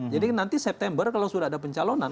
jadi nanti september kalau sudah ada pencalonan